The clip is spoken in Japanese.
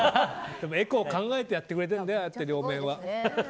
エコを考えてやってくれてるんだよ、両面は。